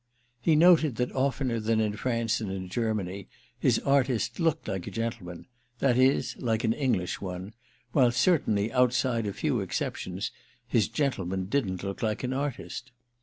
He noted that oftener than in France and in Germany his artist looked like a gentleman—that is like an English one—while, certainly outside a few exceptions, his gentlemen didn't look like an artist.